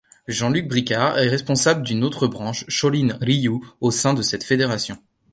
Jean-Luc Bricard est responsable d'une autre branche Shorinji Ryu au sein de cette fédération.